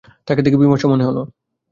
তাকে দেখে বিমর্ষ মনে হল।